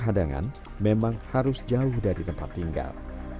kadang kadang memang harus jauh dari tempat tinggal